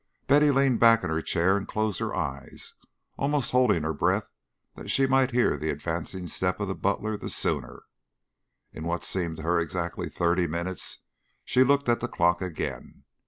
Betty leaned back in her chair and closed her eyes, almost holding her breath that she might hear the advancing step of the butler the sooner. In what seemed to her exactly thirty minutes she looked at the clock again.